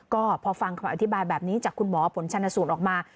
ก็พอฟังคำอธิบายแบบนี้จากคุณหมอผลชนสูตรออกมา